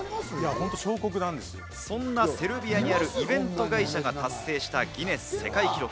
そんなセルビアにあるイベント会社が達成したギネス世界記録。